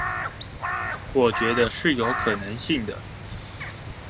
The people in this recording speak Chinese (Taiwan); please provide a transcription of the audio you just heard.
我覺得是有可能性的